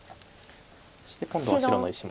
そして今度は白の石も。